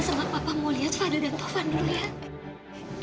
mila mama sama papa mau lihat fadl dan taufan dulu ya